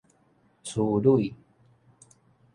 趨壘